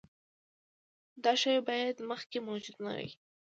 دا شی باید مخکې موجود نه وي.